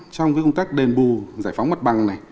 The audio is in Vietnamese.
trong công tác đền bù giải phóng mặt bằng